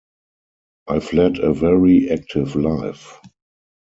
I've led a very active life.